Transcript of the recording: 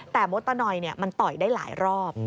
แต่มดตะนอยมันต่อยได้หลายรอบ